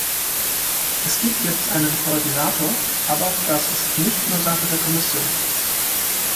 Es gibt jetzt einen Koordinator, aber auch das ist nicht nur Sache der Kommission.